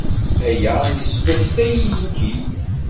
Aya yesmektay-iyi-k-id.